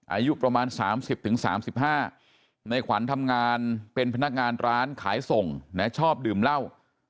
อายุประมาณ๓๐๓๕ในขวัญทำงานเป็นพนักงานร้านขายส่งนะชอบดื่มเหล้า